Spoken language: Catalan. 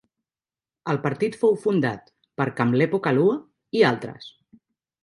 El partit fou fundat per Kamlepo Kalua i altres.